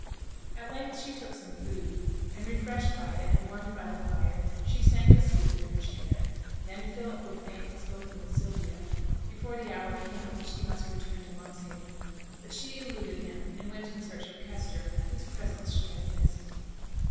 At length she took some food, and, refreshed by it, and warmed by the fire, she sank asleep in her chair. Then Philip would fain have spoken with Sylvia before the hour came at which he must return to Monkshaven, but she eluded him, and went in search of Kester, whose presence she had missed.